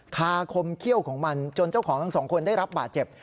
คาคมเขี้ยวของมันจนเจ้าของทั้งสองคนได้รับบาดเจ็บ